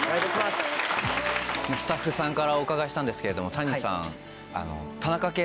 スタッフさんからお伺いしたんですけれどもＴａｎｉさん。